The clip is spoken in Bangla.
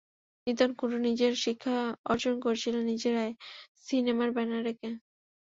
নিতুন কুন্ডু নিজের শিক্ষা অর্জন করেছিলেন নিজের আয়ে, সিনেমার ব্যানার এঁকে।